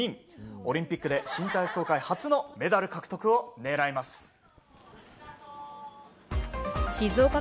オリンピックで新体操界初のメダル獲得を国内男子ゴルフ。